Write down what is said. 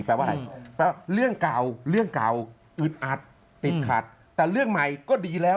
แปลว่าอะไรแปลว่าเรื่องเก่าเรื่องเก่าอึดอัดติดขัดแต่เรื่องใหม่ก็ดีแล้ว